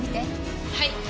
はい。